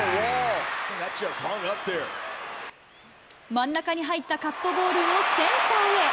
真ん中に入ったカットボールをセンターへ。